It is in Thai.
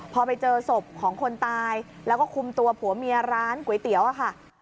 พอไปเจอศพของคนตายแล้วก็คุมตัวผัวเมียร้านก๋วยเตี๋ยวอะค่ะ